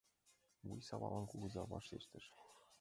Вуй савалын кугыза вашештыш: